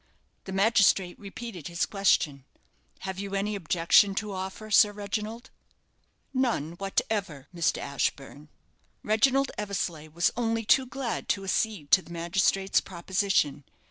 The magistrate repeated his question. "Have you any objection to offer, Sir Reginald?" "None whatever, Mr. Ashburne." Reginald Eversleigh was only too glad to accede to the magistrate's proposition.